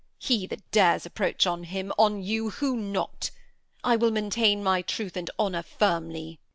He that dares approach, On him, on you, who not? I will maintain My truth and honour firmly.